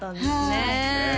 そうですね